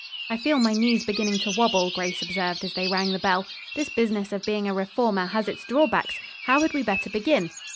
"I feel my knees beginning to wobble," Grace observed, as they rang the bell. "This business of being a reformer has its drawbacks. How had we better begin?"